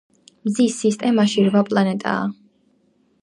მზის სისტემაში რვა პლანეტაა.